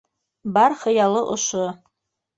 Бар хыялы ошо